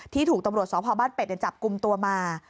ถูกตำรวจสพบ้านเป็ดจับกลุ่มตัวมา